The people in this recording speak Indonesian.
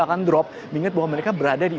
akan drop mengingat bahwa mereka berada di